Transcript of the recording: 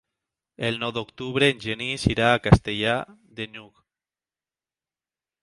El nou d'octubre en Genís irà a Castellar de n'Hug.